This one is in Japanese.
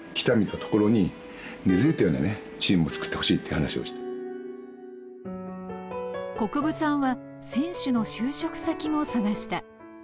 この４年前國分さんは選手の就職先も探した。